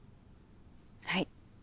はい。